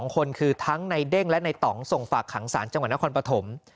๒คนคือทั้งในเด้งและในต่องส่งฝากขังสารจังหวัดนครปฐม